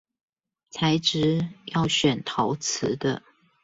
材質要選陶瓷的